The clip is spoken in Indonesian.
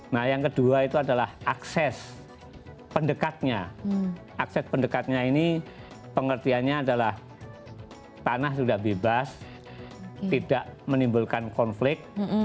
nah yang kedua itu adalah akses pendekatnya akses pendekatnya ini pengertiannya adalah tanah sudah bebas tidak menimbulkan konflik